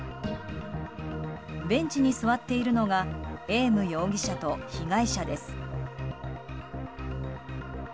ベンチに座っているのがエーム容疑者と被害者です。